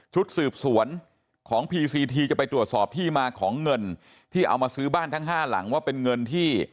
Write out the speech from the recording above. ชุดสืบสวนของพีซีทีจะไปตรวจสอบที่มาของเงินที่เอามาซื้อบ้านทั้งห้าหลังว่าเป็นเงินที่